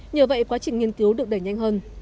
nhờ vậy quá trình nghiên cứu được đẩy nhanh hơn